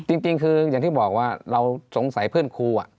จริงคืออย่างที่บอกว่าเราสงสัยเพื่อนครู